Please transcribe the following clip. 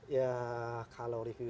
ya kalau review saya